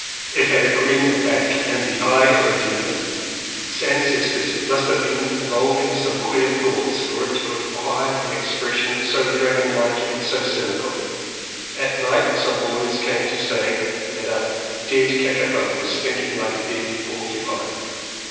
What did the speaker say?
It had a green back and the eye of a demon. Its ancestors must have been revolving some queer thoughts for it to have acquired an expres sion so dragon like and cynical. At night some boys came to say that "a dead kakapo was stinking like a dead porcupine."